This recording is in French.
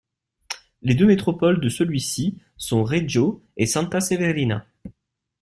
Les deux métropoles de celui-ci sont Reggio et Santa Severina.